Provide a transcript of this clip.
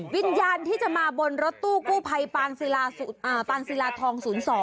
วิญญาณที่จะมาบนรถตู้กู้ไพปศิลธ์ทอง๐๒